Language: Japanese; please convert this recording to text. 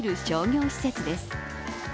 商業施設です。